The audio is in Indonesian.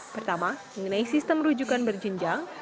pertama mengenai sistem rujukan berjenjang